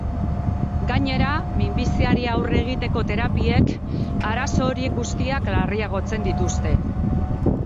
Gainera, minbiziari aurre egiteko terapiek arazo horiek guztiak larriagotzen dituzte.